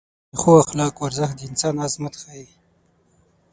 د ښو اخلاقو ارزښت د انسان عظمت ښیي.